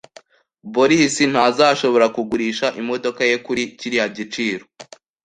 Borisi ntazashobora kugurisha imodoka ye kuri kiriya giciro.